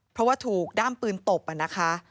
เพราะว่าถูกด้ามปืนตบนะคะ